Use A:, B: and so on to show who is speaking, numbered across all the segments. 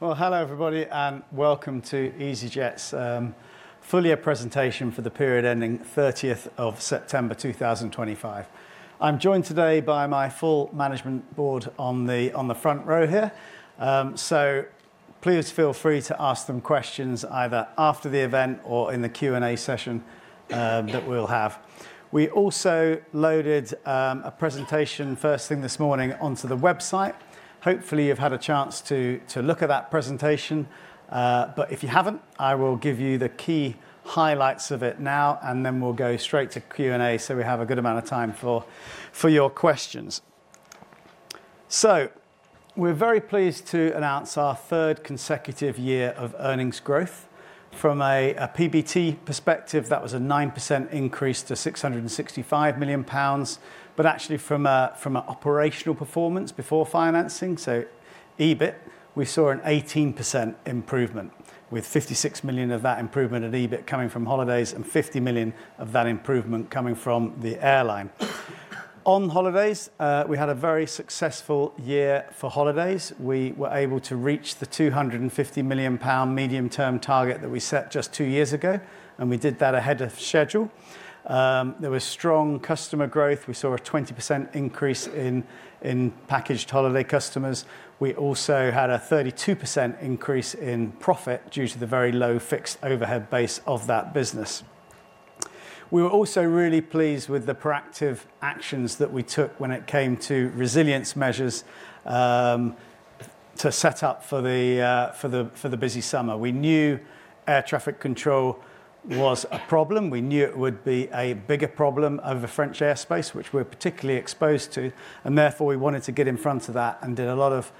A: Hello everybody and welcome to easyJet's full year presentation for the period ending 30th of September 2025. I'm joined today by my full management board on the front row here, so please feel free to ask them questions either after the event or in the Q&A session that we'll have. We also loaded a presentation first thing this morning onto the website. Hopefully, you've had a chance to look at that presentation, but if you haven't, I will give you the key highlights of it now, and then we'll go straight to Q&A so we have a good amount of time for your questions. We're very pleased to announce our third consecutive year of earnings growth. From a PBT perspective, that was a 9% increase to 665 million pounds, but actually from an operational performance before financing, so EBIT, we saw an 18% improvement, with 56 million of that improvement in EBIT coming from holidays and 50 million of that improvement coming from the airline. On holidays, we had a very successful year for holidays. We were able to reach the 250 million pound medium-term target that we set just two years ago, and we did that ahead of schedule. There was strong customer growth. We saw a 20% increase in packaged holiday customers. We also had a 32% increase in profit due to the very low fixed overhead base of that business. We were also really pleased with the proactive actions that we took when it came to resilience measures to set up for the busy summer. We knew air traffic control was a problem. We knew it would be a bigger problem over French airspace, which we're particularly exposed to, and therefore we wanted to get in front of that and did a lot of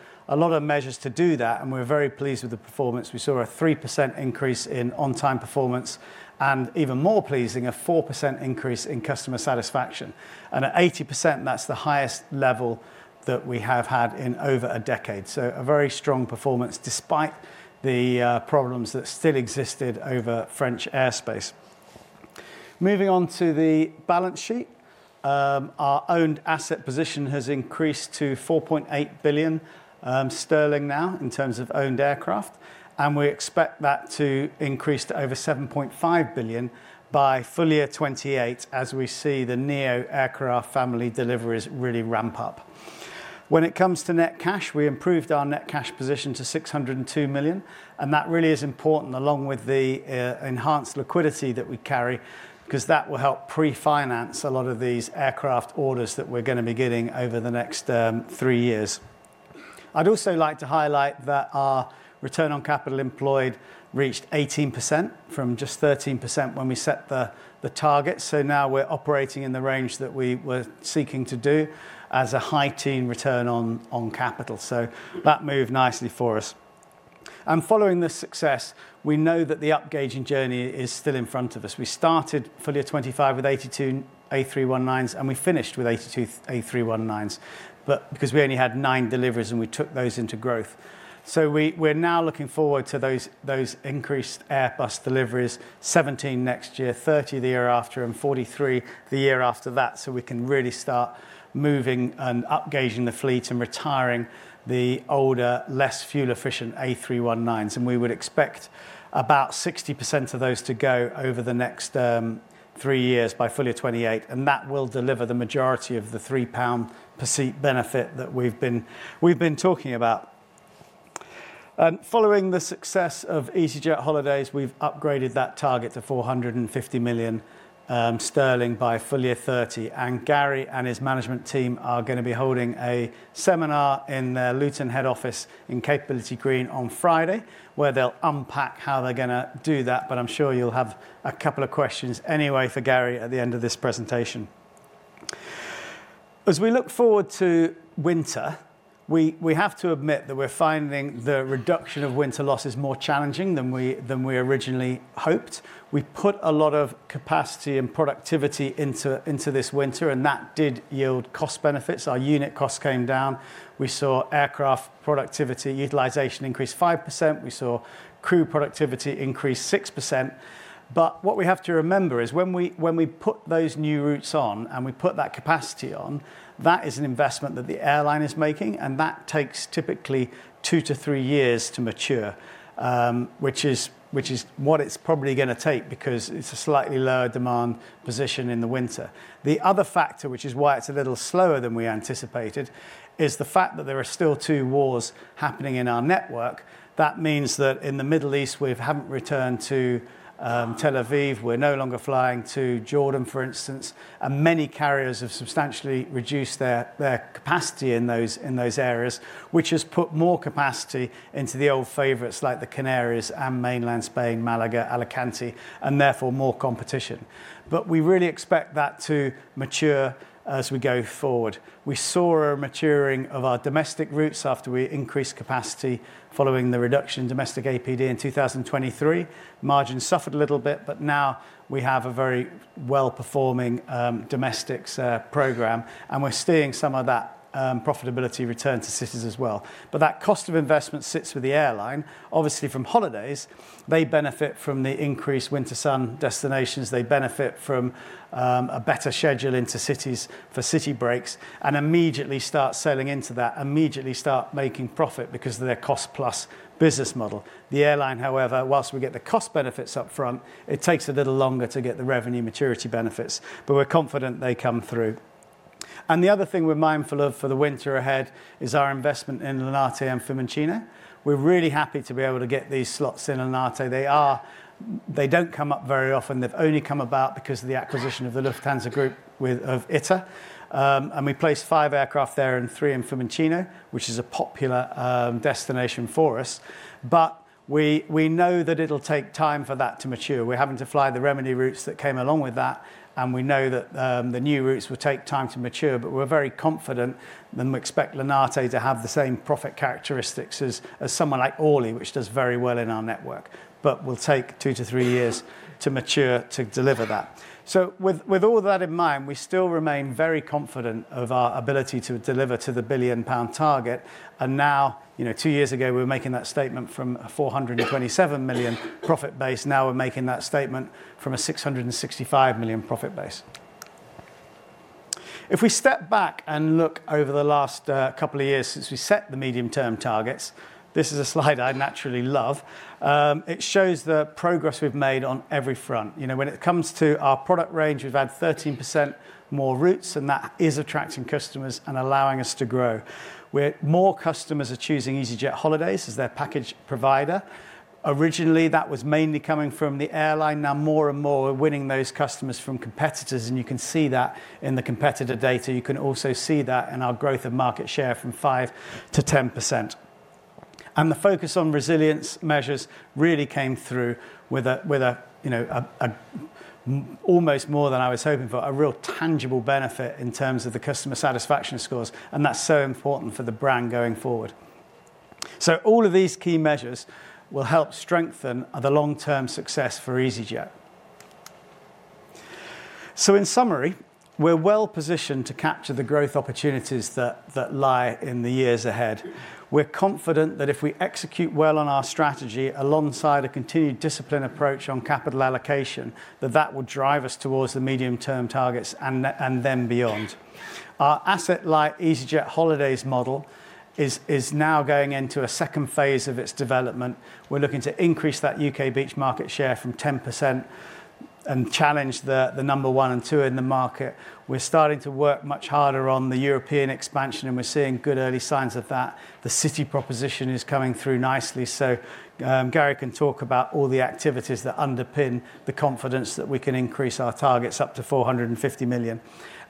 A: measures to do that. We are very pleased with the performance. We saw a 3% increase in on-time performance and, even more pleasing, a 4% increase in customer satisfaction. At 80%, that's the highest level that we have had in over a decade. A very strong performance despite the problems that still existed over French airspace. Moving on to the balance sheet, our owned asset position has increased to 4.8 billion sterling now in terms of owned aircraft, and we expect that to increase to over 7.5 billion by full year 2028 as we see the neo Aircraft family deliveries really ramp up. When it comes to net cash, we improved our net cash position to 602 million, and that really is important along with the enhanced liquidity that we carry because that will help pre-finance a lot of these aircraft orders that we are going to be getting over the next three years. I would also like to highlight that our return on capital employed reached 18% from just 13% when we set the target. Now we are operating in the range that we were seeking to do as a high-teen return on capital. That moved nicely for us. Following this success, we know that the upgauging journey is still in front of us. We started full year 2025 with 82 A319s, and we finished with 82 A319s, but because we only had nine deliveries and we took those into growth. We're now looking forward to those increased Airbus deliveries, 17 next year, 30 the year after, and 43 the year after that, so we can really start moving and upgauging the fleet and retiring the older, less fuel-efficient A319s. We would expect about 60% of those to go over the next three years by full year 2028, and that will deliver the majority of the 3 pound per seat benefit that we've been talking about. Following the success of easyJet holidays, we've upgraded that target to 450 million sterling by full year 2030, and Garry and his management team are going to be holding a seminar in their Luton head office in Capability Green on Friday, where they'll unpack how they're going to do that. I'm sure you'll have a couple of questions anyway for Garry at the end of this presentation. As we look forward to winter, we have to admit that we're finding the reduction of winter losses more challenging than we originally hoped. We put a lot of capacity and productivity into this winter, and that did yield cost benefits. Our unit costs came down. We saw aircraft productivity utilization increase 5%. We saw crew productivity increase 6%. What we have to remember is when we put those new routes on and we put that capacity on, that is an investment that the airline is making, and that takes typically two to three years to mature, which is what it's probably going to take because it's a slightly lower demand position in the winter. The other factor, which is why it's a little slower than we anticipated, is the fact that there are still two wars happening in our network. That means that in the Middle East, we haven't returned to Tel Aviv. We're no longer flying to Jordan, for instance, and many carriers have substantially reduced their capacity in those areas, which has put more capacity into the old favorites like the Canaries and mainland Spain, Malaga, Alicante, and therefore more competition. We really expect that to mature as we go forward. We saw a maturing of our domestic routes after we increased capacity following the reduction in domestic APD in 2023. Margins suffered a little bit, but now we have a very well-performing domestics program, and we're seeing some of that profitability return to cities as well. That cost of investment sits with the airline. Obviously, from holidays, they benefit from the increased winter sun destinations. They benefit from a better schedule into cities for city breaks and immediately start selling into that, immediately start making profit because of their cost-plus business model. The airline, however, whilst we get the cost benefits up front, it takes a little longer to get the revenue maturity benefits, but we're confident they come through. The other thing we're mindful of for the winter ahead is our investment in Linate and Fiumicino. We're really happy to be able to get these slots in Linate. They do not come up very often. They have only come about because of the acquisition of the Lufthansa Group of ITA, and we placed five aircraft there and three in Fiumicino, which is a popular destination for us. We know that it will take time for that to mature. We're having to fly the remedy routes that came along with that, and we know that the new routes will take time to mature, but we're very confident and we expect Linate to have the same profit characteristics as someone like Orly, which does very well in our network, but will take two to three years to mature to deliver that. With all that in mind, we still remain very confident of our ability to deliver to the billion-pound target. Two years ago, we were making that statement from a 427 million profit base. Now we're making that statement from a 665 million profit base. If we step back and look over the last couple of years since we set the medium-term targets, this is a slide I naturally love. It shows the progress we've made on every front. When it comes to our product range, we've had 13% more routes, and that is attracting customers and allowing us to grow. More customers are choosing easyJet holidays as their package provider. Originally, that was mainly coming from the airline. Now more and more are winning those customers from competitors, and you can see that in the competitor data. You can also see that in our growth of market share from 5% to 10%. The focus on resilience measures really came through with almost more than I was hoping for, a real tangible benefit in terms of the customer satisfaction scores, and that's so important for the brand going forward. All of these key measures will help strengthen the long-term success for easyJet. In summary, we're well positioned to capture the growth opportunities that lie in the years ahead. We're confident that if we execute well on our strategy alongside a continued disciplined approach on capital allocation, that that will drive us towards the medium-term targets and then beyond. Our asset-light easyJet holidays model is now going into a second phase of its development. We're looking to increase that U.K. beach market share from 10% and challenge the number one and two in the market. We're starting to work much harder on the European expansion, and we're seeing good early signs of that. The city proposition is coming through nicely, so Garry can talk about all the activities that underpin the confidence that we can increase our targets up to 450 million.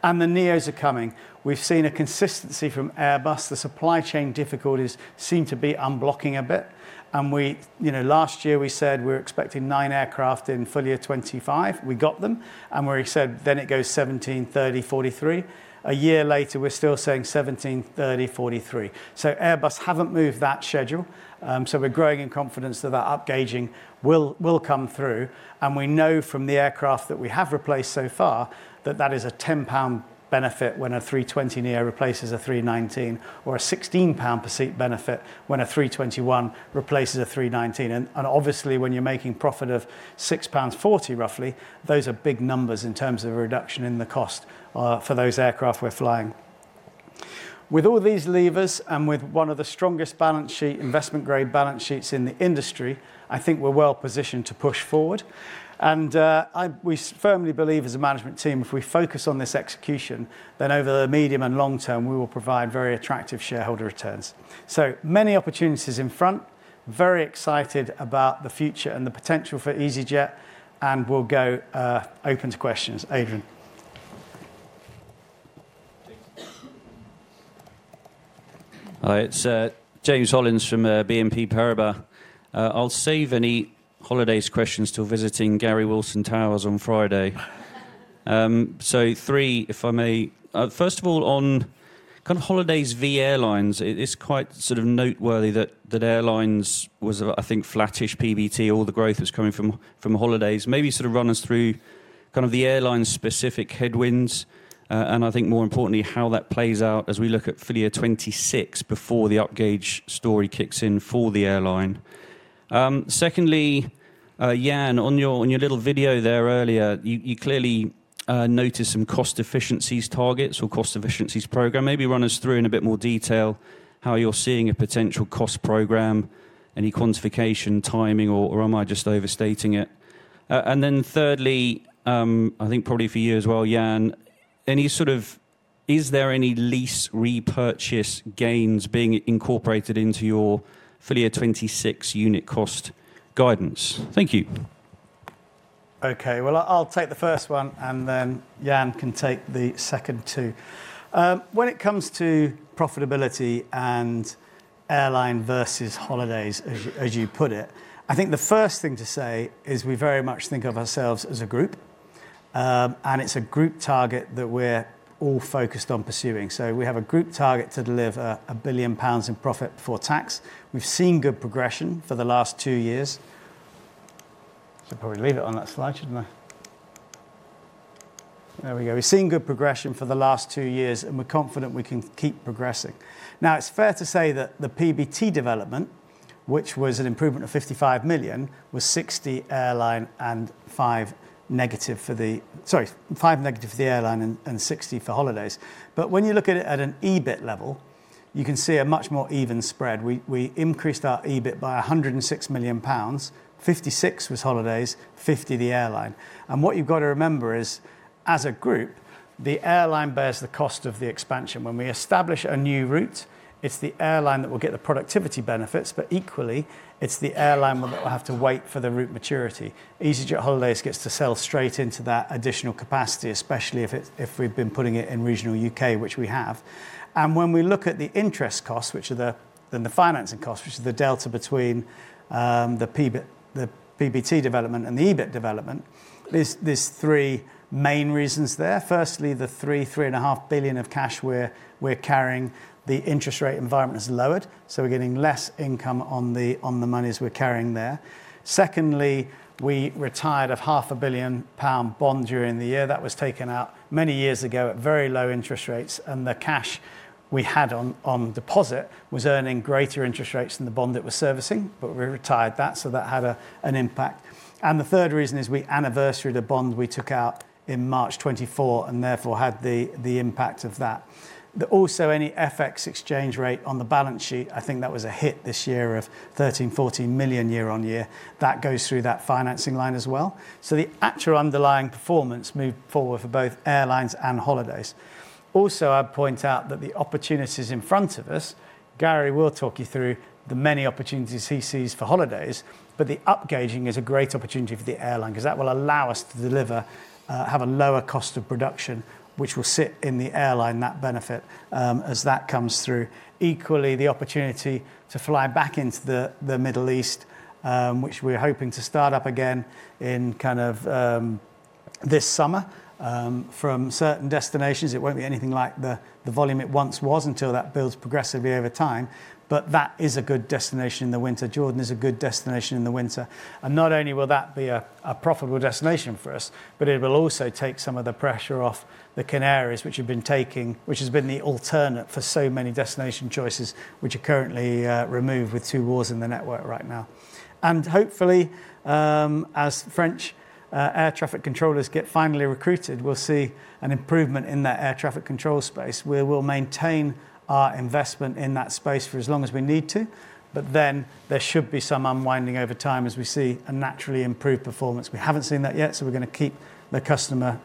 A: The Neos are coming. We've seen a consistency from Airbus. The supply chain difficulties seem to be unblocking a bit. Last year we said we were expecting nine aircraft in full year 2025. We got them, and we said then it goes 17, 30, 43. A year later, we're still saying 17, 30, 43. Airbus haven't moved that schedule, so we're growing in confidence that that upgauging will come through. We know from the aircraft that we have replaced so far that that is a 10 pound benefit when a 320neo replaces a 319, or a 16 pound per seat benefit when a 321 replaces a 319. Obviously, when you're making profit of 6.40 pounds roughly, those are big numbers in terms of a reduction in the cost for those aircraft we're flying. With all these levers and with one of the strongest balance sheet investment-grade balance sheets in the industry, I think we're well positioned to push forward. We firmly believe as a management team, if we focus on this execution, then over the medium and long term, we will provide very attractive shareholder returns. There are so many opportunities in front, very excited about the future and the potential for easyJet, and we'll go open to questions. Adrian.
B: Hi, it's James Hollins from BNP Paribas. I'll save any holidays questions till visiting Garry Wilson Towers on Friday. Three, if I may. First of all, on kind of holidays via airlines, it's quite sort of noteworthy that airlines was, I think, flattish PBT. All the growth was coming from holidays. Maybe sort of run us through kind of the airline-specific headwinds and I think more importantly how that plays out as we look at full year 2026 before the upgauge story kicks in for the airline. Secondly, Jan, on your little video there earlier, you clearly noticed some cost efficiencies targets or cost efficiencies program. Maybe run us through in a bit more detail how you're seeing a potential cost program, any quantification timing, or am I just overstating it? Thirdly, I think probably for you as well, Jan, any sort of, is there any lease repurchase gains being incorporated into your full year 2026 unit cost guidance? Thank you.
A: Okay, I'll take the first one, and Jan can take the second two. When it comes to profitability and airline versus holidays, as you put it, I think the first thing to say is we very much think of ourselves as a group, and it's a group target that we're all focused on pursuing. We have a group target to deliver 1 billion pounds in profit before tax. We've seen good progression for the last two years. Probably leave it on that slide, shouldn't I? There we go. We've seen good progression for the last two years, and we're confident we can keep progressing. Now, it's fair to say that the PBT development, which was an improvement of 55 million, was 60 airline and five negative for the, sorry, five negative for the airline and 60 for holidays. When you look at it at an EBIT level, you can see a much more even spread. We increased our EBIT by 106 million pounds. 56 million was holidays, 50 million the airline. What you've got to remember is, as a group, the airline bears the cost of the expansion. When we establish a new route, it's the airline that will get the productivity benefits, but equally, it's the airline that will have to wait for the route maturity. easyJet holidays gets to sell straight into that additional capacity, especially if we've been putting it in regional U.K., which we have. When we look at the interest costs, which are the financing costs, which is the delta between the PBT development and the EBIT development, there's three main reasons there. Firstly, the three, three and a half billion of cash we're carrying, the interest rate environment has lowered, so we're getting less income on the money as we're carrying there. Secondly, we retired a 500 million pound bond during the year. That was taken out many years ago at very low interest rates, and the cash we had on deposit was earning greater interest rates than the bond that we're servicing, but we retired that, so that had an impact. The third reason is we anniversary the bond we took out in March 2024 and therefore had the impact of that. Also, any FX exchange rate on the balance sheet, I think that was a hit this year of 13 million-14 million year on year. That goes through that financing line as well. The actual underlying performance moved forward for both airlines and holidays. Also, I'd point out that the opportunities in front of us, Garry will talk you through the many opportunities he sees for holidays, but the upgauging is a great opportunity for the airline because that will allow us to deliver, have a lower cost of production, which will sit in the airline that benefit as that comes through. Equally, the opportunity to fly back into the Middle East, which we're hoping to start up again in kind of this summer from certain destinations. It won't be anything like the volume it once was until that builds progressively over time, but that is a good destination in the winter. Jordan is a good destination in the winter. Not only will that be a profitable destination for us, it will also take some of the pressure off the Canaries, which have been taking, which has been the alternate for so many destination choices, which are currently removed with two wars in the network right now. Hopefully, as French air traffic controllers get finally recruited, we will see an improvement in that air traffic control space. We will maintain our investment in that space for as long as we need to, but there should be some unwinding over time as we see a naturally improved performance. We haven't seen that yet, so we're going to keep the customer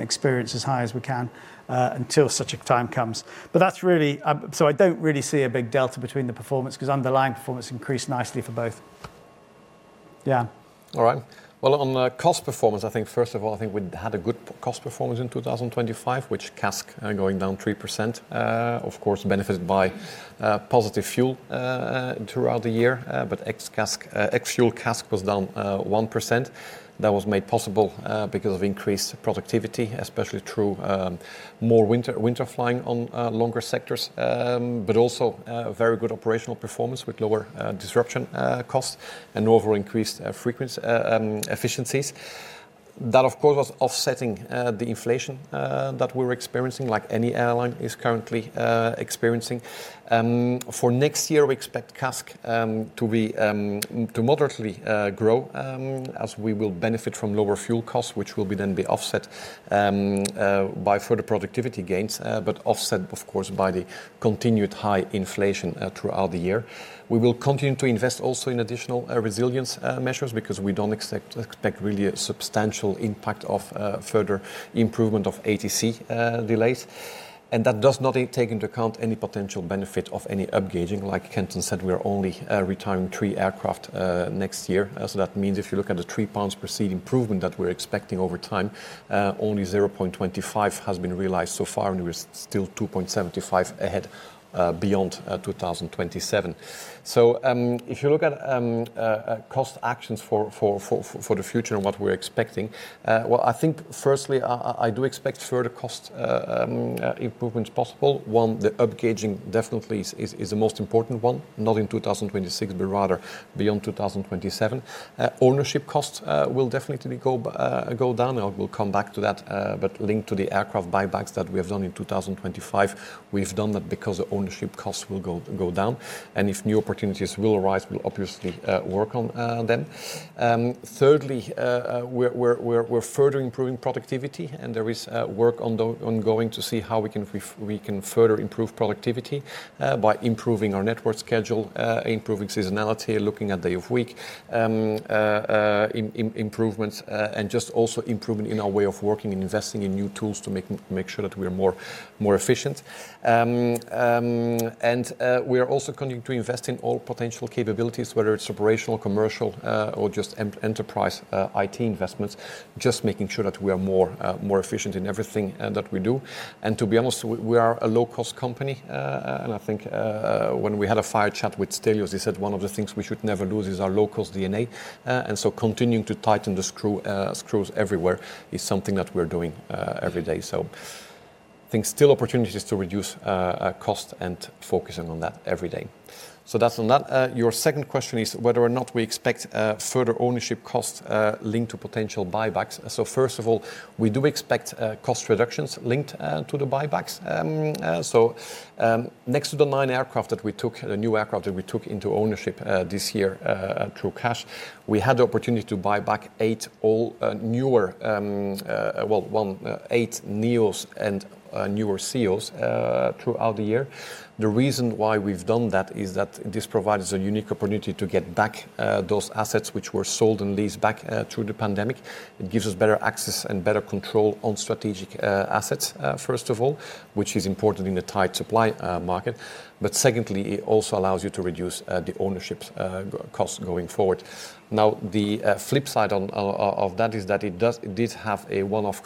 A: experience as high as we can until such a time comes. That is really, so I don't really see a big delta between the performance because underlying performance increased nicely for both.
C: All right. On the cost performance, I think first of all, I think we had a good cost performance in 2025, with CASK going down 3%. Of course, benefited by positive fuel throughout the year, but ex-fuel CASK was down 1%. That was made possible because of increased productivity, especially through more winter flying on longer sectors, but also very good operational performance with lower disruption costs and overall increased frequency efficiencies. That, of course, was offsetting the inflation that we were experiencing, like any airline is currently experiencing. For next year, we expect CASK to moderately grow as we will benefit from lower fuel costs, which will then be offset by further productivity gains, but offset, of course, by the continued high inflation throughout the year. We will continue to invest also in additional resilience measures because we do not expect really a substantial impact of further improvement of ATC delays. That does not take into account any potential benefit of any upgauging. Like Kenton said, we are only retiring three aircraft next year. That means if you look at the 3 pounds per seat improvement that we are expecting over time, only 0.25 has been realized so far, and we are still 2.75 ahead beyond 2027. If you look at cost actions for the future and what we are expecting, I think firstly, I do expect further cost improvements possible. One, the upgauging definitely is the most important one, not in 2026, but rather beyond 2027. Ownership costs will definitely go down. I will come back to that, but linked to the aircraft buybacks that we have done in 2025, we've done that because the ownership costs will go down. If new opportunities will arise, we will obviously work on them. Thirdly, we are further improving productivity, and there is work ongoing to see how we can further improve productivity by improving our network schedule, improving seasonality, looking at day of week improvements, and just also improvement in our way of working and investing in new tools to make sure that we are more efficient. We are also continuing to invest in all potential capabilities, whether it is operational, commercial, or just enterprise IT investments, just making sure that we are more efficient in everything that we do. To be honest, we are a low-cost company. I think when we had a fire chat with Stelios, he said one of the things we should never lose is our low-cost DNA. Continuing to tighten the screws everywhere is something that we're doing every day. I think there are still opportunities to reduce cost and focusing on that every day. That is on that. Your second question is whether or not we expect further ownership costs linked to potential buybacks. First of all, we do expect cost reductions linked to the buybacks. Next to the nine aircraft that we took, the new aircraft that we took into ownership this year through cash, we had the opportunity to buy back eight, all newer, well, eight Neos and newer Ceos throughout the year. The reason why we've done that is that this provides a unique opportunity to get back those assets which were sold and leased back through the pandemic. It gives us better access and better control on strategic assets, first of all, which is important in the tight supply market. Secondly, it also allows you to reduce the ownership costs going forward. The flip side of that is that it did have a one-off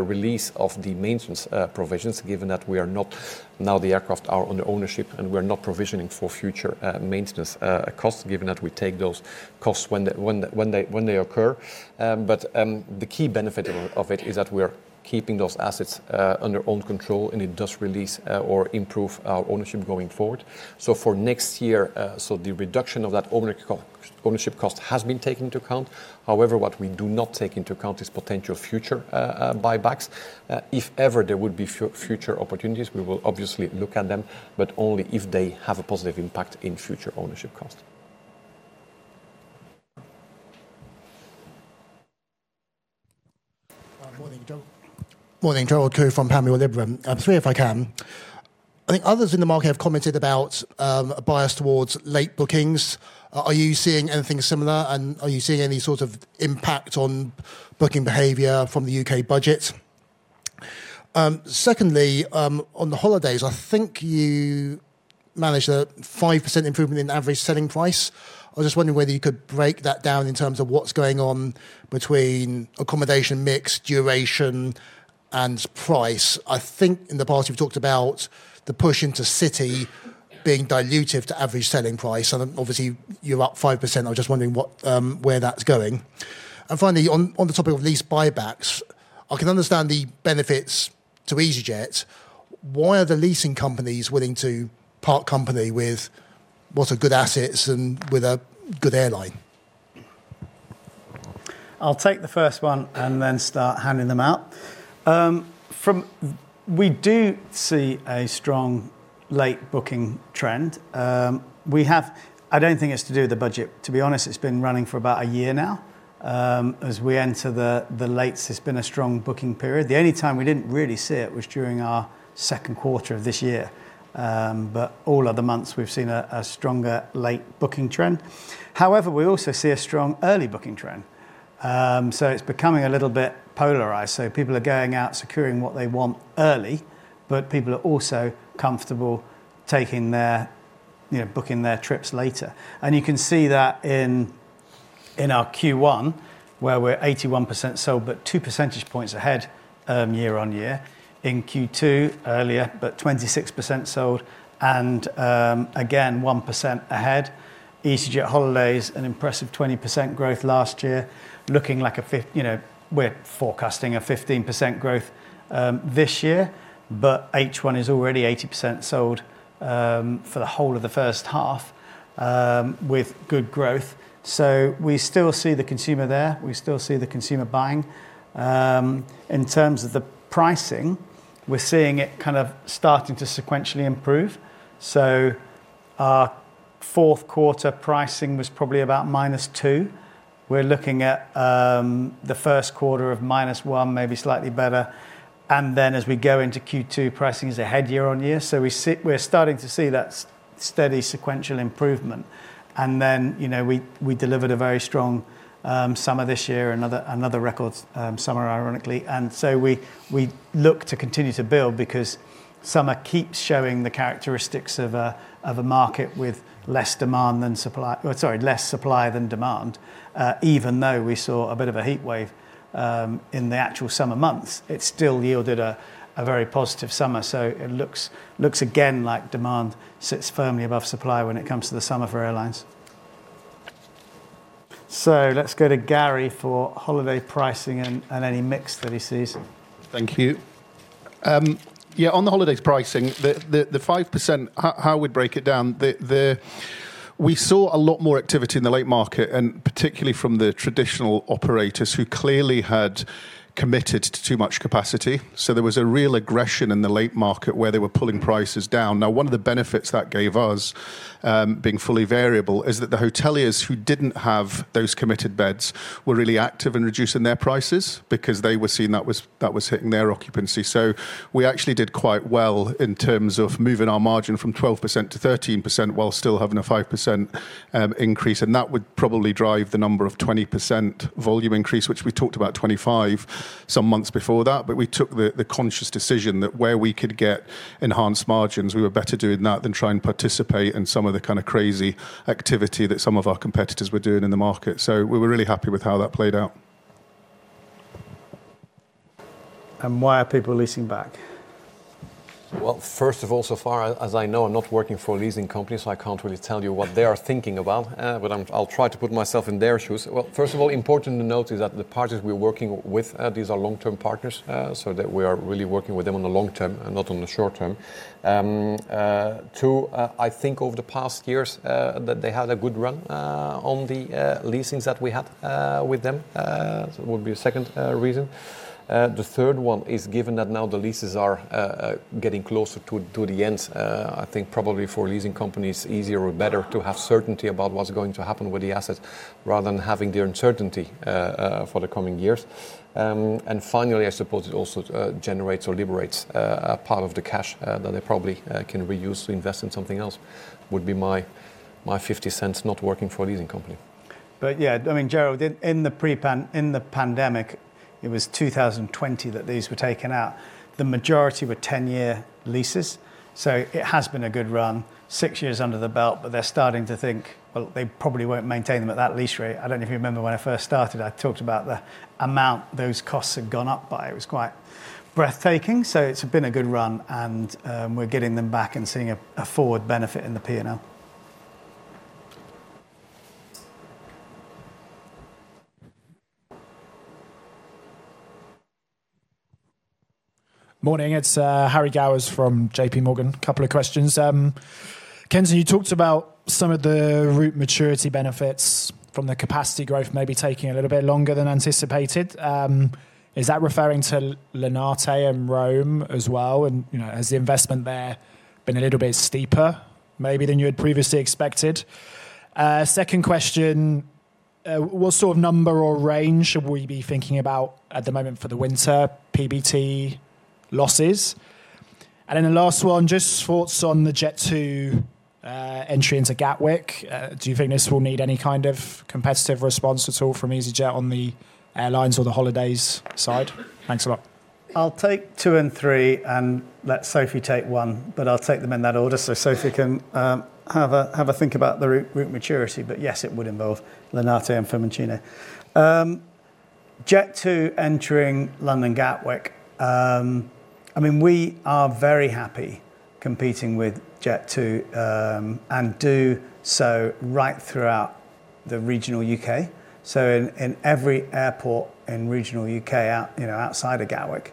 C: release of the maintenance provisions, given that we are not now the aircraft are under ownership and we're not provisioning for future maintenance costs, given that we take those costs when they occur. The key benefit of it is that we are keeping those assets under own control and it does release or improve our ownership going forward. For next year, the reduction of that ownership cost has been taken into account. However, what we do not take into account is potential future buybacks. If ever there would be future opportunities, we will obviously look at them, but only if they have a positive impact in future ownership costs.
A: Morning, Joel.
D: Morning, Joel. Curry from Peel Hunt. I'm sorry if I can. I think others in the market have commented about a bias towards late bookings. Are you seeing anything similar? Are you seeing any sort of impact on booking behavior from the U.K. budget? Secondly, on the holidays, I think you managed a 5% improvement in average selling price. I was just wondering whether you could break that down in terms of what's going on between accommodation mix, duration, and price. I think in the past you've talked about the push into city being dilutive to average selling price. Obviously, you're up 5%. I was just wondering where that's going. Finally, on the topic of lease buybacks, I can understand the benefits to easyJet. Why are the leasing companies willing to part company with what are good assets and with a good airline?
A: I'll take the first one and then start handing them out. We do see a strong late booking trend. I don't think it's to do with the budget. To be honest, it's been running for about a year now. As we enter the latest, it's been a strong booking period. The only time we didn't really see it was during our second quarter of this year. All other months, we've seen a stronger late booking trend. However, we also see a strong early booking trend. It's becoming a little bit polarized. People are going out securing what they want early, but people are also comfortable booking their trips later. You can see that in our Q1, where we are 81% sold, but two percentage points ahead year on year. In Q2, earlier, but 26% sold and again, 1% ahead. easyJet holidays, an impressive 20% growth last year. Looking like a, we are forecasting a 15% growth this year, but H1 is already 80% sold for the whole of the first half with good growth. We still see the consumer there. We still see the consumer buying. In terms of the pricing, we are seeing it kind of starting to sequentially improve. Our fourth quarter pricing was probably about minus two. We are looking at the first quarter of minus one, maybe slightly better. As we go into Q2, pricing is ahead year on year. We're starting to see that steady sequential improvement. We delivered a very strong summer this year, another record summer, ironically. We look to continue to build because summer keeps showing the characteristics of a market with less supply than demand. Even though we saw a bit of a heat wave in the actual summer months, it still yielded a very positive summer. It looks again like demand sits firmly above supply when it comes to the summer for airlines. Let's go to Garry for holiday pricing and any mix that he sees.
E: Thank you. Yeah, on the holidays pricing, the 5%, how we'd break it down, we saw a lot more activity in the late market, and particularly from the traditional operators who clearly had committed to too much capacity. There was a real aggression in the late market where they were pulling prices down. One of the benefits that gave us being fully variable is that the hoteliers who did not have those committed beds were really active in reducing their prices because they were seeing that was hitting their occupancy. We actually did quite well in terms of moving our margin from 12% to 13% while still having a 5% increase. That would probably drive the number of 20% volume increase, which we talked about 25 some months before that. We took the conscious decision that where we could get enhanced margins, we were better doing that than trying to participate in some of the kind of crazy activity that some of our competitors were doing in the market. We were really happy with how that played out.
A: Why are people leasing back?
E: First of all, as far as I know, I'm not working for a leasing company, so I can't really tell you what they are thinking about, but I'll try to put myself in their shoes. First of all, important to note is that the parties we're working with, these are long-term partners, so we are really working with them on the long term and not on the short term. Two, I think over the past years that they had a good run on the leasings that we had with them. That would be a second reason. The third one is given that now the leases are getting closer to the end. I think probably for leasing companies, it's easier or better to have certainty about what's going to happen with the assets rather than having the uncertainty for the coming years. Finally, I suppose it also generates or liberates a part of the cash that they probably can reuse to invest in something else would be my 50 cents not working for a leasing company.
A: Yeah, I mean, Gerald, in the pandemic, it was 2020 that these were taken out. The majority were 10-year leases. It has been a good run, six years under the belt, but they're starting to think they probably won't maintain them at that lease rate. I don't know if you remember when I first started, I talked about the amount those costs had gone up by. It was quite breathtaking. It has been a good run and we're getting them back and seeing a forward benefit in the P&L.
F: Morning, it's Harry Gowers from JPMorgan. A couple of questions. Kenton, you talked about some of the route maturity benefits from the capacity growth maybe taking a little bit longer than anticipated. Is that referring to Linate and Rome as well? Has the investment there been a little bit steeper maybe than you had previously expected? Second question, what sort of number or range should we be thinking about at the moment for the winter PBT losses? The last one, just thoughts on the Jet2 entry into Gatwick. Do you think this will need any kind of competitive response at all from easyJet on the airlines or the holidays side? Thanks a lot.
A: I'll take two and three and let Sophie take one, but I'll take them in that order so Sophie can have a think about the route maturity. Yes, it would involve Linate and Fiumicino. Jet2 entering London Gatwick. I mean, we are very happy competing with Jet2 and do so right throughout the regional U.K. In every airport in regional U.K. outside of Gatwick,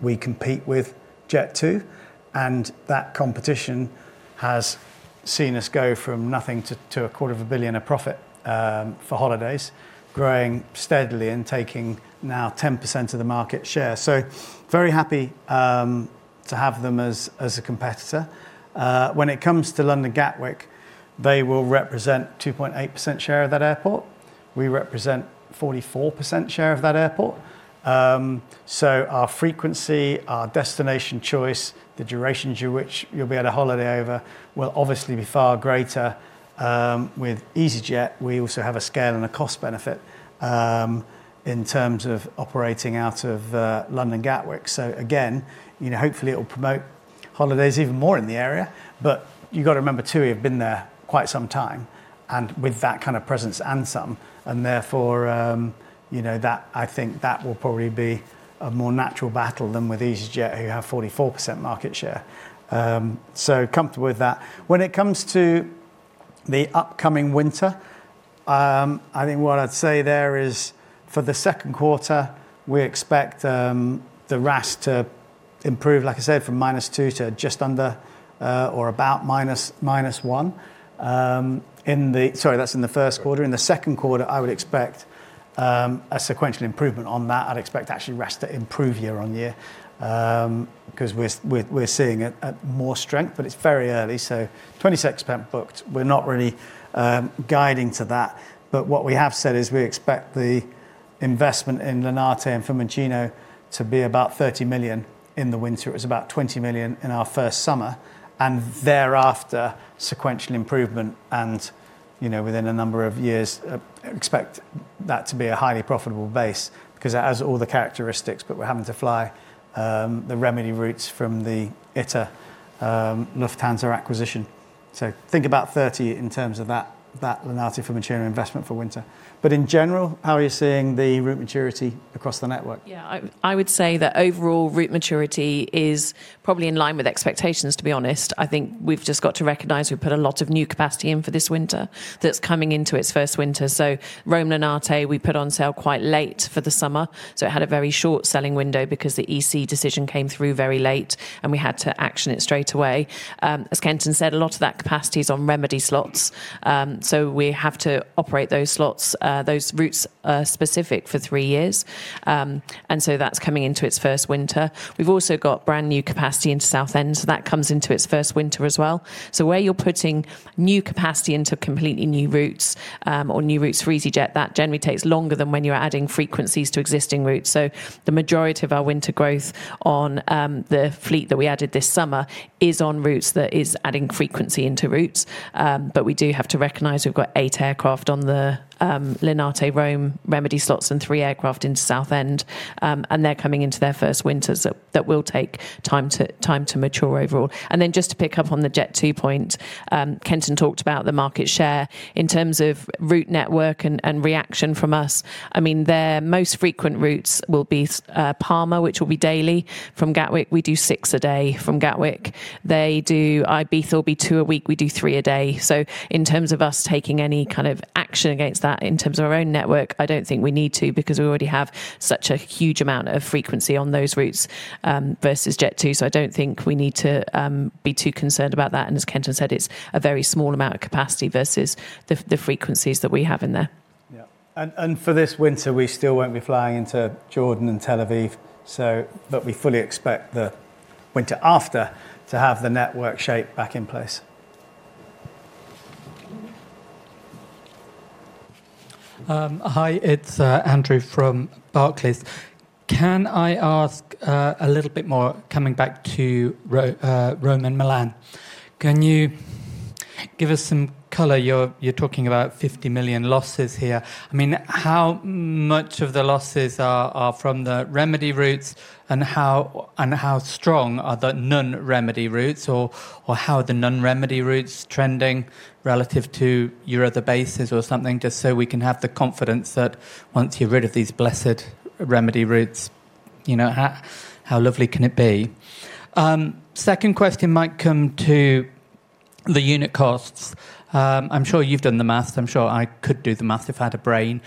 A: we compete with Jet2. That competition has seen us go from nothing to GBP 250 million of profit for holidays, growing steadily and taking now 10% of the market share. Very happy to have them as a competitor. When it comes to London Gatwick, they will represent 2.8% share of that airport. We represent 44% share of that airport. Our frequency, our destination choice, the duration during which you'll be at a holiday over will obviously be far greater with easyJet. We also have a scale and a cost benefit in terms of operating out of London Gatwick. Hopefully it will promote holidays even more in the area. You have got to remember too, we have been there quite some time and with that kind of presence and some. Therefore, I think that will probably be a more natural battle than with easyJet, who have 44% market share. So comfortable with that. When it comes to the upcoming winter, I think what I would say there is for the second quarter, we expect the RAS to improve, like I said, from minus two to just under or about minus one. Sorry, that is in the first quarter. In the second quarter, I would expect a sequential improvement on that. I would expect actually RAS to improve year on year because we are seeing it at more strength, but it is very early. So 26% booked. We are not really guiding to that. What we have said is we expect the investment in Linate and Fiumicino to be about 30 million in the winter. It was about 20 million in our first summer. Thereafter, sequential improvement. Within a number of years, expect that to be a highly profitable base because it has all the characteristics, but we're having to fly the remedy routes from the ITA Lufthansa acquisition. Think about 30 million in terms of that Linate Fiumicino investment for winter. In general, how are you seeing the route maturity across the network?
G: Yeah, I would say that overall route maturity is probably in line with expectations, to be honest. I think we've just got to recognize we've put a lot of new capacity in for this winter that's coming into its first winter. Rome Linate, we put on sale quite late for the summer. It had a very short selling window because the EC decision came through very late and we had to action it straight away. As Kenton said, a lot of that capacity is on remedy slots. We have to operate those routes specific for three years. That is coming into its first winter. We have also got brand new capacity into Southend. That comes into its first winter as well. Where you are putting new capacity into completely new routes or new routes for easyJet, that generally takes longer than when you are adding frequencies to existing routes. The majority of our winter growth on the fleet that we added this summer is on routes that is adding frequency into routes. We do have to recognize we have got eight aircraft on the Linate Rome remedy slots and three aircraft into Southend. They're coming into their first winters that will take time to mature overall. Just to pick up on the Jet2 point, Kenton talked about the market share in terms of route network and reaction from us. I mean, their most frequent routes will be Palma, which will be daily from Gatwick. We do six a day from Gatwick. Ibiza will be two a week. We do three a day. In terms of us taking any kind of action against that in terms of our own network, I do not think we need to because we already have such a huge amount of frequency on those routes versus Jet2. I do not think we need to be too concerned about that. As Kenton said, it is a very small amount of capacity versus the frequencies that we have in there.
A: Yeah. For this winter, we still will not be flying into Jordan and Tel Aviv. We fully expect the winter after to have the network shape back in place.
H: Hi, it's Andrew from Barclays. Can I ask a little bit more coming back to Rome and Milan? Can you give us some color? You're talking about 50 million losses here. I mean, how much of the losses are from the remedy routes and how strong are the non-remedy routes or how are the non-remedy routes trending relative to your other bases or something just so we can have the confidence that once you're rid of these blessed remedy routes, how lovely can it be? Second question might come to the unit costs. I'm sure you've done the math. I'm sure I could do the math if I had a brain.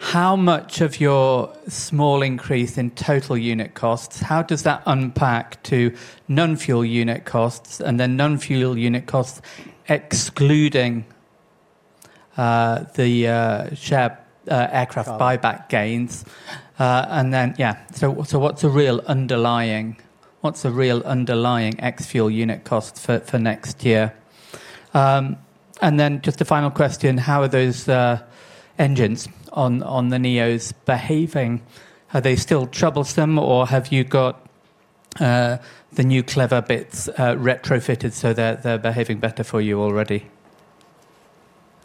H: How much of your small increase in total unit costs, how does that unpack to non-fuel unit costs and then non-fuel unit costs excluding the share aircraft buyback gains? Yeah, so what is a real underlying X fuel unit cost for next year? Just the final question, how are those engines on the Neos behaving? Are they still troublesome or have you got the new clever bits retrofitted so they are behaving better for you already?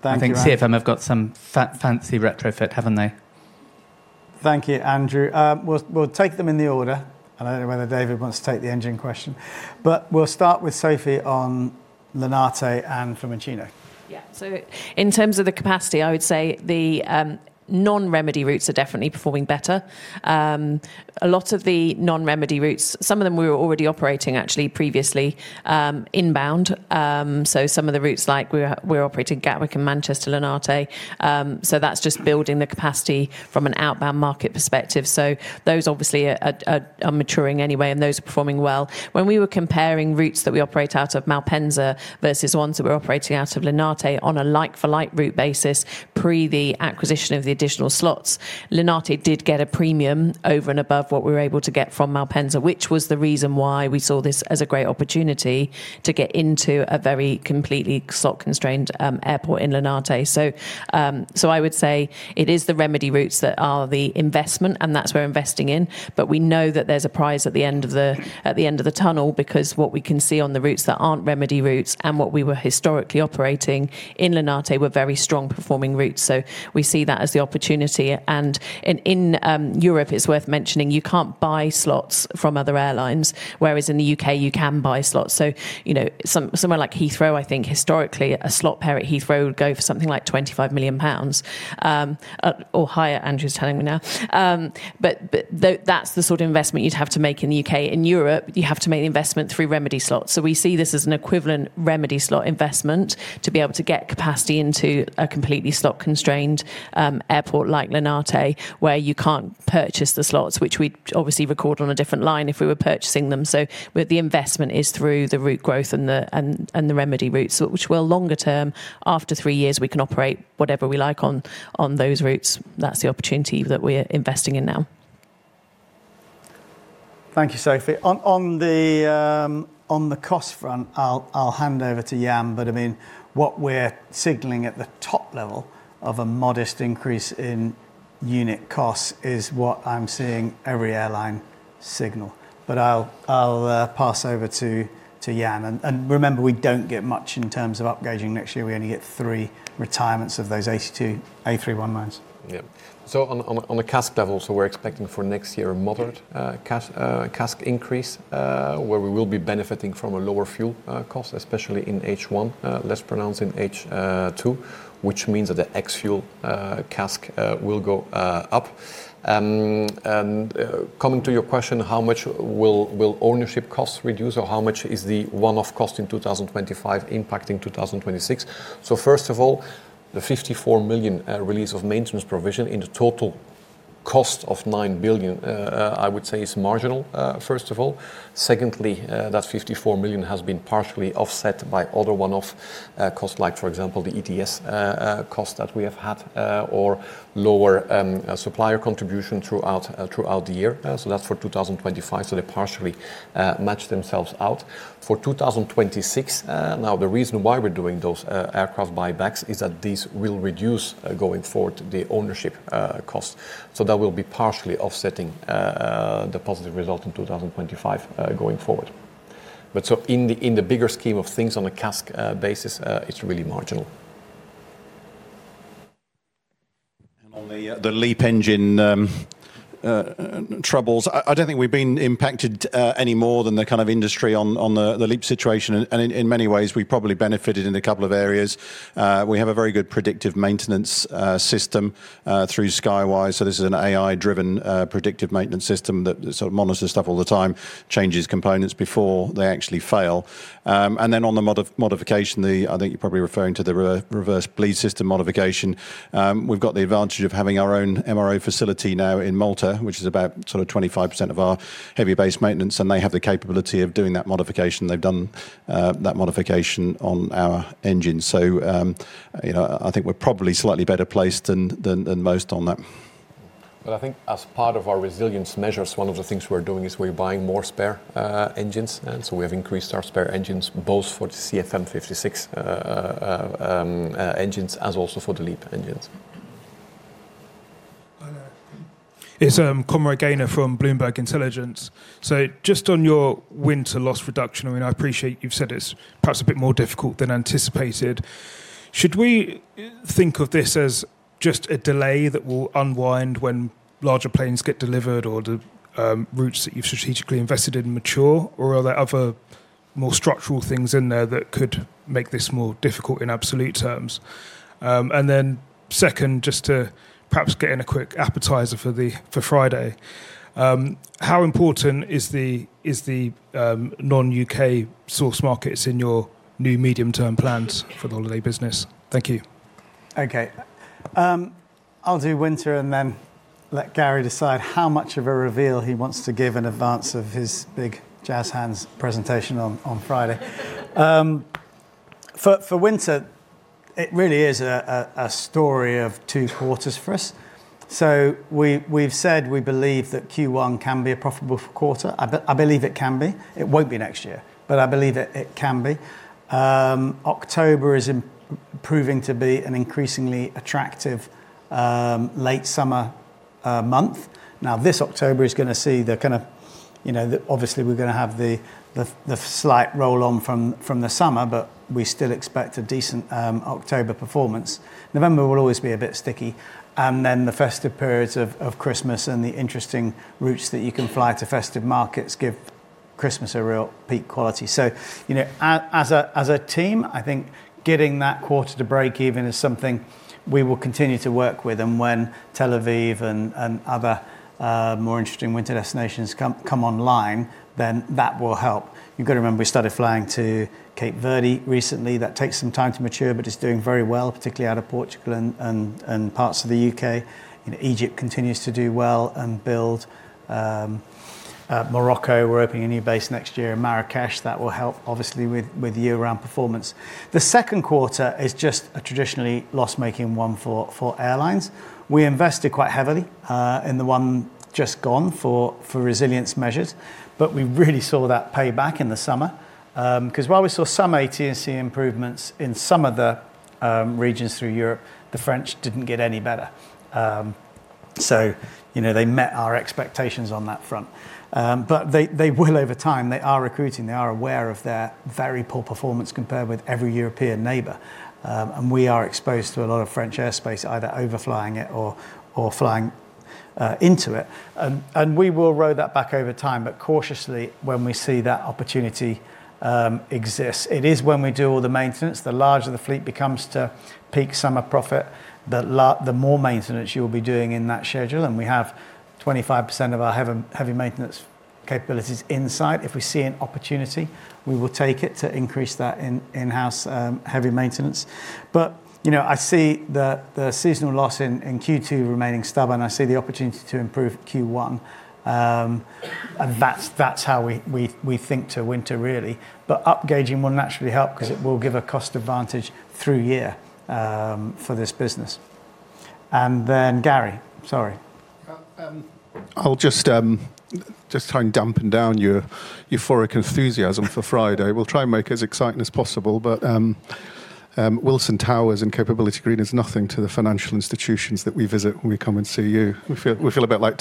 H: I think CFM have got some fancy retrofit, have they not?
A: Thank you, Andrew. We will take them in the order. I do not know whether David wants to take the engine question, but we will start with Sophie on Linate and Fiumicino.
G: Yeah. In terms of the capacity, I would say the non-remedy routes are definitely performing better. A lot of the non-remedy routes, some of them we were already operating actually previously inbound. Some of the routes like we're operating Gatwick and Manchester Linate. That is just building the capacity from an outbound market perspective. Those obviously are maturing anyway and those are performing well. When we were comparing routes that we operate out of Malpensa versus ones that we're operating out of Linate on a like-for-like route basis pre the acquisition of the additional slots, Linate did get a premium over and above what we were able to get from Malpensa, which was the reason why we saw this as a great opportunity to get into a very completely slot-constrained airport in Linate. I would say it is the remedy routes that are the investment and that's where investing in. We know that there's a prize at the end of the tunnel because what we can see on the routes that aren't remedy routes and what we were historically operating in Linate were very strong performing routes. We see that as the opportunity. In Europe, it's worth mentioning you can't buy slots from other airlines, whereas in the U.K., you can buy slots. Somewhere like Heathrow, I think historically a slot pair at Heathrow would go for something like 25 million pounds or higher, Andrew's telling me now. That's the sort of investment you'd have to make in the U.K. In Europe, you have to make the investment through remedy slots. We see this as an equivalent remedy slot investment to be able to get capacity into a completely slot-constrained airport like Linate, where you can't purchase the slots, which we'd obviously record on a different line if we were purchasing them. The investment is through the route growth and the remedy routes, which will longer term after three years, we can operate whatever we like on those routes. That's the opportunity that we're investing in now.
A: Thank you, Sophie. On the cost front, I'll hand over to Jan, but I mean, what we're signaling at the top level of a modest increase in unit costs is what I'm seeing every airline signal. I’ll pass over to Jan. Remember, we don't get much in terms of upgrading next year. We only get three retirements of those A319s.
C: Yeah. On the CASK level, we are expecting for next year a moderate CASK increase where we will be benefiting from a lower fuel cost, especially in H1, less pronounced in H2, which means that the ex-fuel CASK will go up. Coming to your question, how much will ownership costs reduce or how much is the one-off cost in 2025 impacting 2026? First of all, the 54 million release of maintenance provision in the total cost of 9 billion, I would say, is marginal, first of all. Secondly, that 54 million has been partially offset by other one-off costs like, for example, the ETS cost that we have had or lower supplier contribution throughout the year. That is for 2025. They partially match themselves out. For 2026, the reason why we are doing those aircraft buybacks is that these will reduce, going forward, the ownership costs. That will be partially offsetting the positive result in 2025 going forward. In the bigger scheme of things on a CASK basis, it's really marginal.
I: On the LEAP engine troubles, I don't think we've been impacted any more than the industry on the Leap situation. In many ways, we probably benefited in a couple of areas. We have a very good predictive maintenance system through Skywise. This is an AI-driven predictive maintenance system that monitors stuff all the time, changes components before they actually fail. On the modification, I think you're probably referring to the reverse bleed system modification. We've got the advantage of having our own MRO facility now in Malta, which is about 25% of our heavy-based maintenance. They have the capability of doing that modification. They've done that modification on our engines. I think we're probably slightly better placed than most on that.
C: I think as part of our resilience measures, one of the things we're doing is we're buying more spare engines. We have increased our spare engines both for the CFM56 engines as also for the LEAP engines.
J: It's Conroy Gaynor from Bloomberg Intelligence. Just on your winter loss reduction, I mean, I appreciate you've said it's perhaps a bit more difficult than anticipated. Should we think of this as just a delay that will unwind when larger planes get delivered or the routes that you've strategically invested in mature, or are there other more structural things in there that could make this more difficult in absolute terms? Second, just to perhaps get in a quick appetizer for Friday, how important is the non-U.K. source markets in your new medium-term plans for the holiday business? Thank you.
A: Okay. I'll do winter and then let Garry decide how much of a reveal he wants to give in advance of his big Jazz Hands presentation on Friday. For winter, it really is a story of two quarters for us. We have said we believe that Q1 can be a profitable quarter. I believe it can be. It will not be next year, but I believe it can be. October is proving to be an increasingly attractive late summer month. Now, this October is going to see the kind of, obviously, we are going to have the slight roll on from the summer, but we still expect a decent October performance. November will always be a bit sticky. The festive periods of Christmas and the interesting routes that you can fly to festive markets give Christmas a real peak quality. As a team, I think getting that quarter to break even is something we will continue to work with. When Tel Aviv and other more interesting winter destinations come online, that will help. You have to remember we started flying to Cape Verde recently. That takes some time to mature, but it is doing very well, particularly out of Portugal and parts of the U.K. Egypt continues to do well and build. Morocco, we are opening a new base next year. Marrakesh, that will help obviously with year-round performance. The second quarter is just a traditionally loss-making one for airlines. We invested quite heavily in the one just gone for resilience measures, but we really saw that pay back in the summer. Because while we saw some ATC improvements in some of the regions through Europe, the French did not get any better. They met our expectations on that front. They will over time. They are recruiting. They are aware of their very poor performance compared with every European neighbor. We are exposed to a lot of French airspace, either overflying it or flying into it. We will row that back over time, but cautiously when we see that opportunity exists. When we do all the maintenance, the larger the fleet becomes to peak summer profit, the more maintenance you will be doing in that schedule. We have 25% of our heavy maintenance capabilities in sight. If we see an opportunity, we will take it to increase that in-house heavy maintenance. I see the seasonal loss in Q2 remaining stubborn. I see the opportunity to improve Q1. That is how we think to winter, really. Upgrading will naturally help because it will give a cost advantage through year for this business. Garry, sorry.
E: I'll just try and dampen down your euphoric enthusiasm for Friday. We'll try and make it as exciting as possible, but Wilson Towers and Capability Green is nothing to the financial institutions that we visit when we come and see you. We feel a bit like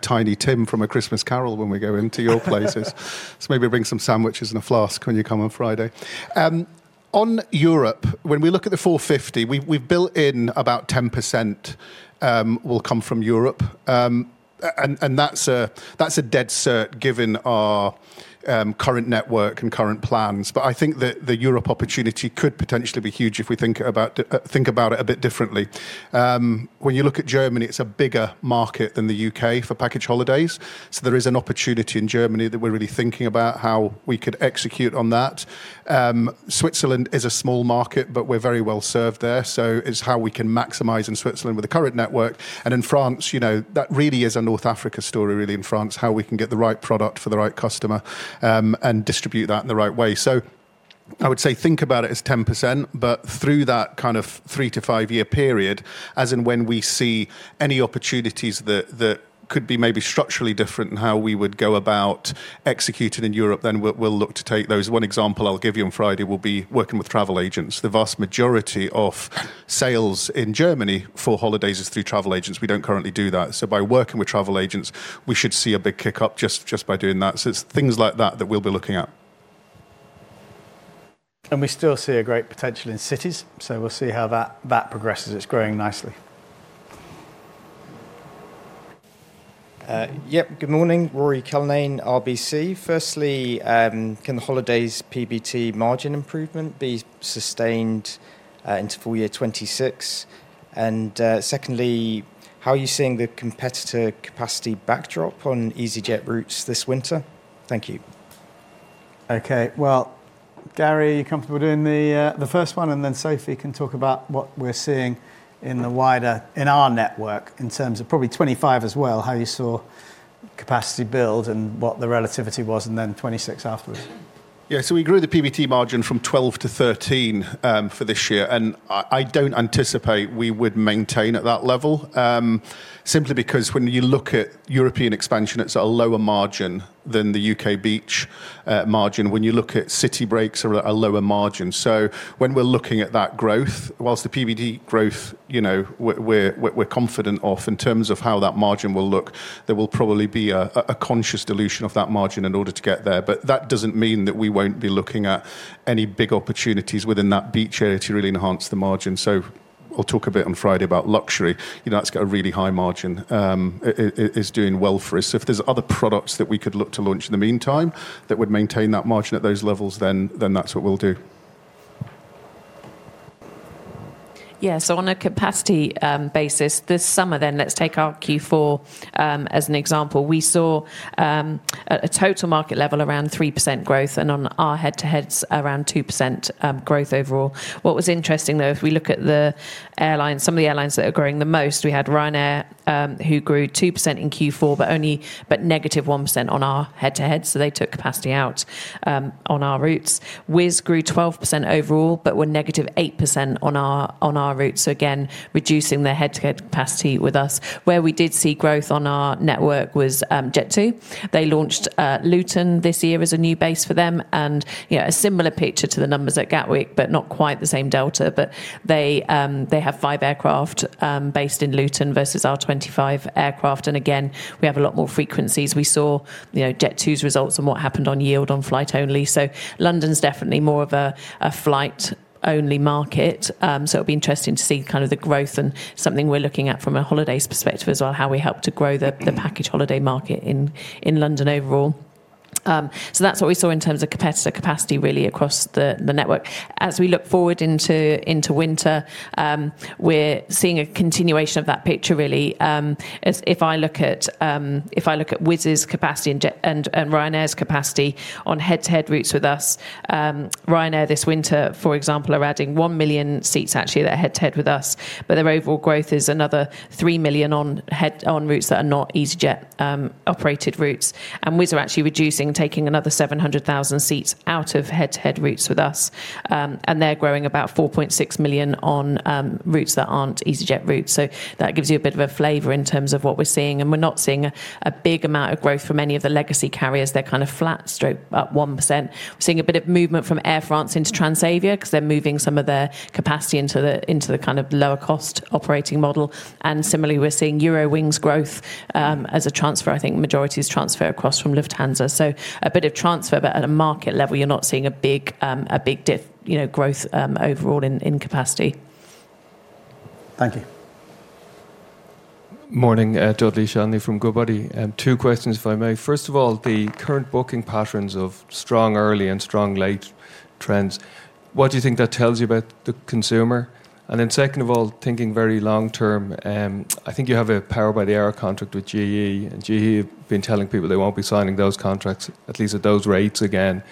E: Tiny Tim from A Christmas Carol when we go into your places. Maybe bring some sandwiches and a flask when you come on Friday. On Europe, when we look at the 450, we've built in about 10% will come from Europe. That is a dead certain given our current network and current plans. I think that the Europe opportunity could potentially be huge if we think about it a bit differently. When you look at Germany, it's a bigger market than the U.K. for package holidays. There is an opportunity in Germany that we're really thinking about how we could execute on that. Switzerland is a small market, but we're very well served there. It's how we can maximize in Switzerland with the current network. In France, that really is a North Africa story, really, in France, how we can get the right product for the right customer and distribute that in the right way. I would say think about it as 10%, but through that kind of three- to five-year period, as in when we see any opportunities that could be maybe structurally different and how we would go about executing in Europe, then we'll look to take those. One example I'll give you on Friday will be working with travel agents. The vast majority of sales in Germany for holidays is through travel agents. We do not currently do that. By working with travel agents, we should see a big kick up just by doing that. It is things like that that we will be looking at. We still see great potential in cities. We will see how that progresses. It is growing nicely.
K: Yep. Good morning. Rory Cullinan, RBC. Firstly, can the holidays PBT margin improvement be sustained into full year 2026? Secondly, how are you seeing the competitor capacity backdrop on easyJet routes this winter? Thank you.
A: Okay. Garry, you're comfortable doing the first one, and then Sophie can talk about what we're seeing in the wider in our network in terms of probably 2025 as well, how you saw capacity build and what the relativity was, and then 2026 afterwards.
E: Yeah. We grew the PBT margin from 12% to 13% for this year. I do not anticipate we would maintain at that level simply because when you look at European expansion, it is at a lower margin than the U.K. beach margin. When you look at city breaks, they are at a lower margin. When we're looking at that growth, whilst the PBT growth, we're confident of in terms of how that margin will look, there will probably be a conscious dilution of that margin in order to get there. That doesn't mean that we won't be looking at any big opportunities within that beach area to really enhance the margin. We'll talk a bit on Friday about luxury. That's got a really high margin. It's doing well for us. If there's other products that we could look to launch in the meantime that would maintain that margin at those levels, then that's what we'll do.
G: Yeah. On a capacity basis, this summer then, let's take our Q4 as an example. We saw a total market level around 3% growth and on our head-to-heads, around 2% growth overall. What was interesting, though, if we look at some of the airlines that are growing the most, we had Ryanair who grew 2% in Q4, but negative 1% on our head-to-heads. They took capacity out on our routes. Wizz grew 12% overall, but were negative 8% on our routes. Again, reducing their head-to-head capacity with us. Where we did see growth on our network was Jet2. They launched Luton this year as a new base for them. A similar picture to the numbers at Gatwick, but not quite the same delta. They have five aircraft based in Luton versus our 25 aircraft. We have a lot more frequencies. We saw Jet2's results on what happened on yield on flight only. London's definitely more of a flight-only market. It'll be interesting to see kind of the growth and something we're looking at from a holidays perspective as well, how we help to grow the package holiday market in London overall. That's what we saw in terms of competitor capacity, really, across the network. As we look forward into winter, we're seeing a continuation of that picture, really. If I look at Wizz's capacity and Ryanair's capacity on head-to-head routes with us, Ryanair this winter, for example, are adding 1 million seats actually that are head-to-head with us. Their overall growth is another 3 million on routes that are not easyJet operated routes. Wizz are actually reducing, taking another 700,000 seats out of head-to-head routes with us. They're growing about 4.6 million on routes that aren't easyJet routes. That gives you a bit of a flavor in terms of what we're seeing. We're not seeing a big amount of growth from any of the legacy carriers. They're kind of flat, straight up 1%. We're seeing a bit of movement from Air France into Transavia because they're moving some of their capacity into the kind of lower-cost operating model. Similarly, we're seeing Eurowings growth as a transfer, I think majority's transfer across from Lufthansa. So a bit of transfer, but at a market level, you're not seeing a big growth overall in capacity.
K: Thank you.
L: Morning, Dudley Shanley from Goodbody. Two questions, if I may. First of all, the current booking patterns of strong early and strong late trends, what do you think that tells you about the consumer? Second of all, thinking very long term, I think you have a Power by the Hour contract with GE. GE have been telling people they won't be signing those contracts, at least at those rates again.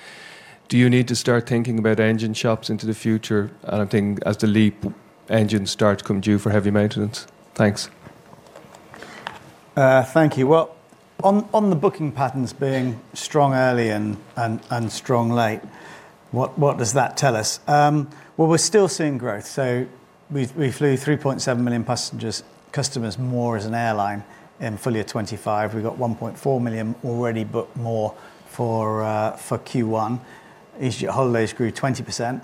L: Do you need to start thinking about engine shops into the future? I'm thinking as the Leap engines start to come due for heavy maintenance. Thank you.
A: On the booking patterns being strong early and strong late, what does that tell us? We are still seeing growth. We flew 3.7 million customers more as an airline in full year 2025. We have 1.4 million already booked more for Q1. easyJet holidays grew 20%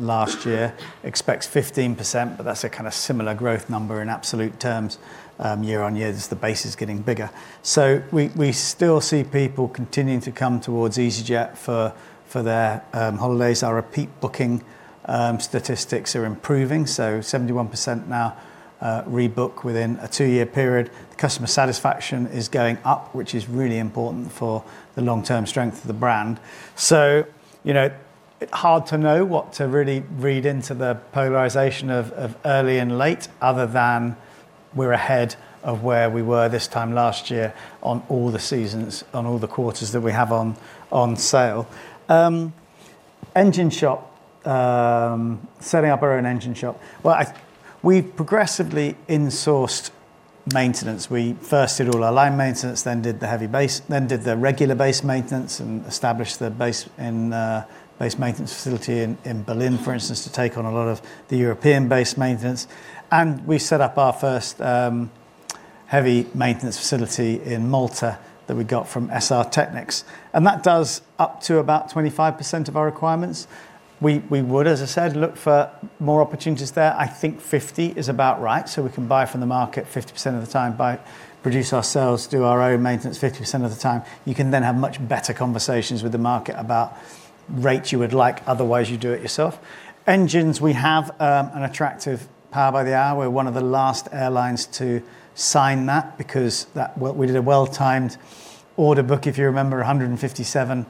A: last year. Expects 15%, but that's a kind of similar growth number in absolute terms year on year. The base is getting bigger. We still see people continuing to come towards easyJet for their holidays. Our repeat booking statistics are improving. 71% now rebook within a two-year period. Customer satisfaction is going up, which is really important for the long-term strength of the brand. It is hard to know what to really read into the polarization of early and late other than we're ahead of where we were this time last year on all the seasons, on all the quarters that we have on sale. Engine shop, setting up our own engine shop. We've progressively insourced maintenance. We first did all our line maintenance, then did the heavy base, then did the regular base maintenance, and established the base maintenance facility in Berlin, for instance, to take on a lot of the European base maintenance. We set up our first heavy maintenance facility in Malta that we got from SR Technics. That does up to about 25% of our requirements. We would, as I said, look for more opportunities there. I think 50% is about right. We can buy from the market 50% of the time, produce ourselves, do our own maintenance 50% of the time. You can then have much better conversations with the market about rates you would like, otherwise you do it yourself. Engines, we have an attractive Power by the Hour. We're one of the last airlines to sign that because we did a well-timed order book, if you remember, 157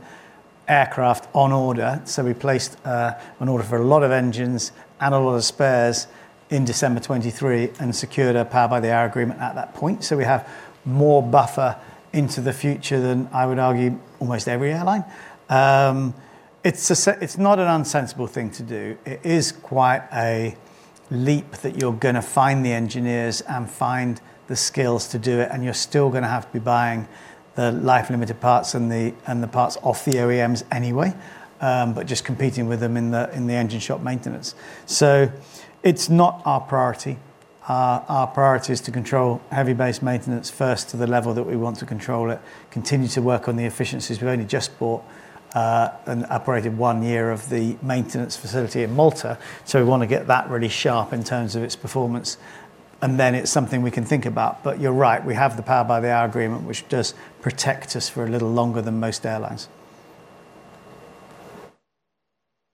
A: aircraft on order. We placed an order for a lot of engines and a lot of spares in December 2023 and secured a Power by the Hour agreement at that point. We have more buffer into the future than I would argue almost every airline. It's not an unsensible thing to do. It is quite a leap that you're going to find the engineers and find the skills to do it. You're still going to have to be buying the life-limited parts and the parts off the OEMs anyway, just competing with them in the engine shop maintenance. It is not our priority. Our priority is to control heavy base maintenance first to the level that we want to control it, continue to work on the efficiencies. We've only just bought and operated one year of the maintenance facility in Malta. We want to get that really sharp in terms of its performance. It is something we can think about. You're right, we have the Power by the Hour agreement, which does protect us for a little longer than most airlines.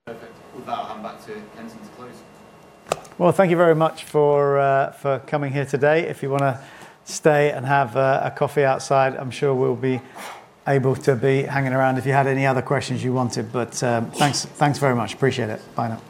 C: Perfect. We will now hand back to Kenton to close.
A: Thank you very much for coming here today. If you want to stay and have a coffee outside, I'm sure we'll be able to be hanging around if you had any other questions you wanted. Thanks very much. Appreciate it. Bye now.